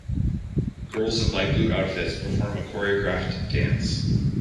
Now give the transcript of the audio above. Girls in light blue outfits perform a choreographed dance.